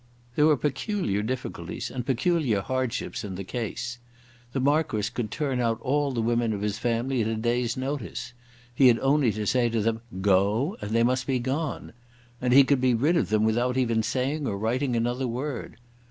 There were peculiar difficulties and peculiar hardships in the case. The Marquis could turn out all the women of his family at a day's notice. He had only to say to them, "Go!" and they must be gone. And he could be rid of them without even saying or writing another word.